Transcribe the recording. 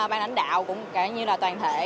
ban đánh đạo cũng như toàn thể